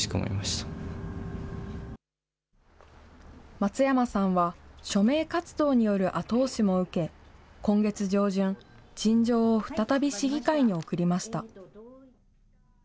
松山さんは、署名活動による後押しも受け、今月上旬、陳情を再び市議会に送りました。